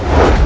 aku mau makan